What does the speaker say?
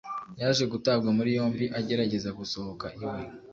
yaje gutabwa muri yombi agerageza gusohoka iwe